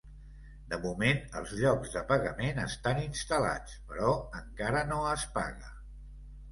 De moment els llocs de pagament estan instal·lats però encara no es paga.